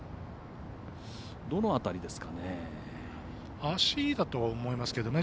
どの辺りですかね。